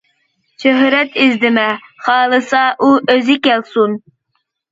شۆھرەت ئىزدىمە، خالىسا ئۇ ئۆزى كەلسۇن.